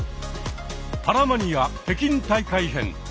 「パラマニア北京大会編」。